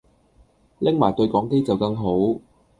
拎埋對講機就更好